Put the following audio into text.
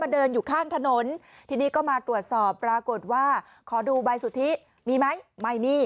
เดินอยู่ข้างถนนทีนี้ก็มาตรวจสอบปรากฏว่าขอดูใบสุทธิมีไหมไม่มี